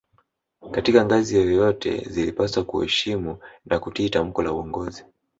Katika ngazi yoyote zilipaswa kuheshimu na kutii tamko la uongozi